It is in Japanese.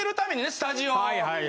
スタジオを。